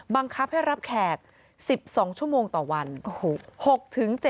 บังคับให้รับแขก๑๒ชั่วโมงต่อวัน